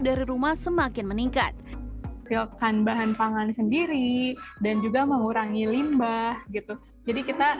dari rumah semakin meningkat silakan bahan pangan sendiri dan juga mengurangi limbah gitu jadi kita